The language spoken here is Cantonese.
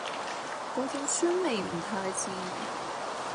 嗰種酸味唔太自然